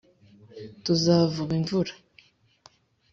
tuzavuba imvura